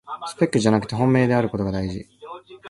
スペックじゃなくて本命であることがだいじ